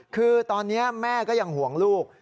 คือตอนนี้แม่ก็ยังห่วงลูก